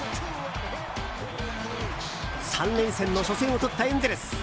３連戦の初戦をとったエンゼルス。